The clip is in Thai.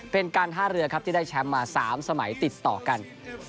เป็นการท่าเรือครับที่ได้แชมป์มา๓สมัยติดต่อกัน